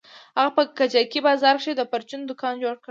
هغه په کجکي بازار کښې د پرچون دوکان جوړ کړى و.